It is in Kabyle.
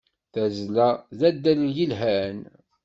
Tazzla d addal yelhan.